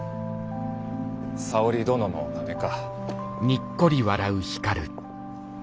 沙織殿のためか。